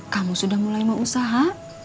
kamu sudah mulai mau usaha